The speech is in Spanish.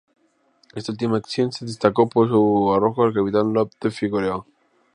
En esta última acción se destacó por su arrojo el capitán Lope de Figueroa.